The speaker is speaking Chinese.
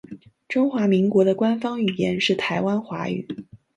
中华民国的官方语言是台湾华语。